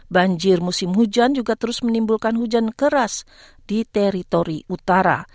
banjir musim hujan juga terus menimbulkan hujan keras di teritori utara